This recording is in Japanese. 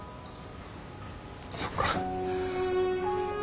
そっか。